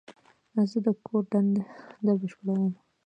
زه د کور دنده بشپړوم.